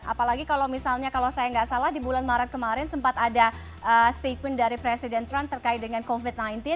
apalagi kalau misalnya kalau saya nggak salah di bulan maret kemarin sempat ada statement dari presiden trump terkait dengan covid sembilan belas